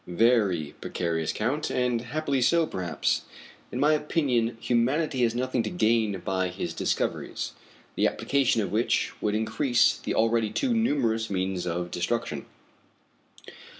"Very precarious, Count, and happily so, perhaps! In my opinion humanity has nothing to gain by his discoveries, the application of which would increase the already too numerous means of destruction."